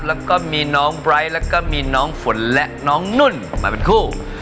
แล้วก็มีน้องไบร์ทแล้วก็มีน้องฝนและน้องนุ่นมาเป็นคู่